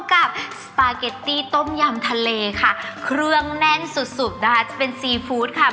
กับสปาเกตตี้ต้มยำทะเลค่ะเครื่องแน่นสุดสุดนะคะจะเป็นซีฟู้ดค่ะ